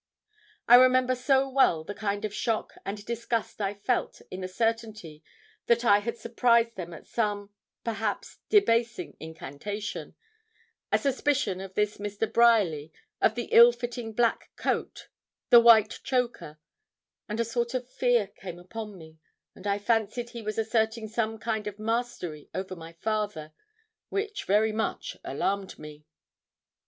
I remember so well the kind of shock and disgust I felt in the certainty that I had surprised them at some, perhaps, debasing incantation a suspicion of this Mr. Bryerly, of the ill fitting black coat, and white choker and a sort of fear came upon me, and I fancied he was asserting some kind of mastery over my father, which very much alarmed me.